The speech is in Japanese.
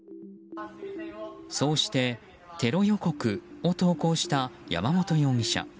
そうして、テロ予告を投稿した山本容疑者。